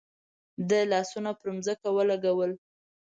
ده لاسونه پر ځمکه ولګول.